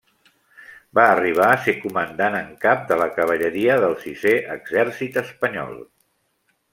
Va arribar a ser comandant en cap de la cavalleria del sisè exèrcit espanyol.